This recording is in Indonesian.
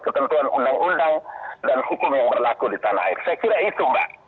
ketentuan undang undang dan hukum yang berlaku di tanah air saya kira itu mbak